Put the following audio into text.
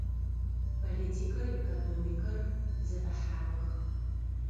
Политикэр, экономикэр зэӏыхьагъэх.